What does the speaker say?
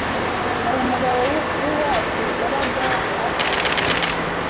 Hari umugabo w’iwacu wabaga hafi aho